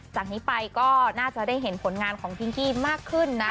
จากนี้ไปก็น่าจะได้เห็นผลงานของพิงกี้มากขึ้นนะ